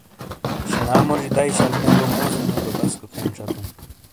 شینا موجی دئیی شل نے بو موزینیو گہ بسکو کھین شتوں۔